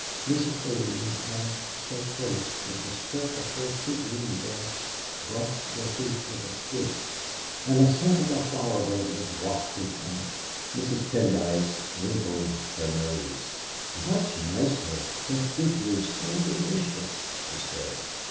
Mrs. Bellew had passed so close that the skirt of her seagreen dress brushed their feet with a swish, and a scent as of a flower bed was wafted from it. Mrs. Pendyce wrinkled her nose. "Much nicer. Her figure's so delicious," she said.